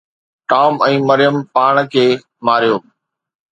Tom ۽ Maryam پاڻ کي ماريو